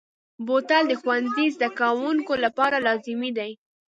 بوتل د ښوونځي زده کوونکو لپاره لازمي دی.